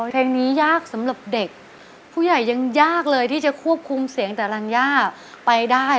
เพลงนี้ยากสำหรับเด็กผู้ใหญ่ยังยากเลยที่จะควบคุมเสียงแต่รัญญาไปได้